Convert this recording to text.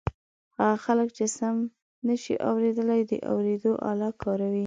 هغه خلک چې سم نشي اورېدلای د اوریدلو آله کاروي.